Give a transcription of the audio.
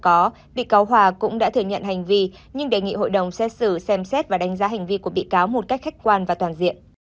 có bị cáo hòa cũng đã thừa nhận hành vi nhưng đề nghị hội đồng xét xử xem xét và đánh giá hành vi của bị cáo một cách khách quan và toàn diện